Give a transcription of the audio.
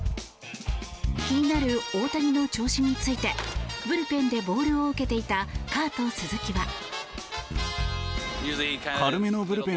気になる大谷の調子についてブルペンでボールを受けていたカート・スズキは。